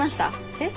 えっ？